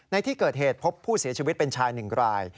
ในที่เกิดเหตุพบผู้เสียชีวิตเป็นชายหนึ่งราย